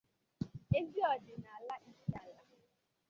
eze ọdịnala Ihiala